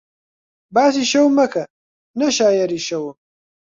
باسی شەو مەکە نە شایەری شەوم